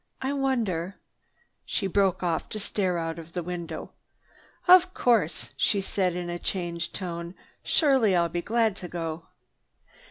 I wonder—" She broke off to stare out of the window. "Of course," she said in a changed tone. "Surely, I'll be glad to go."